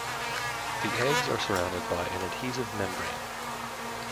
The eggs are surrounded by an adhesive membrane.